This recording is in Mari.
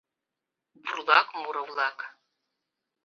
БУРЛАК МУРО-ВЛАК.